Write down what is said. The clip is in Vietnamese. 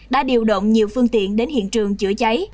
đã điều động nhiều phương tiện đến hiện trường chữa cháy